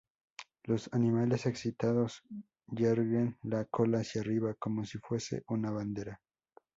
Los animales excitados yerguen la cola hacia arriba, como si fuese una bandera.